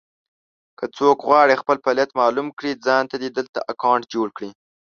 که څوک غواړي خپل فعالیت مالوم کړي ځانته دې دلته اکونټ جوړ کړي.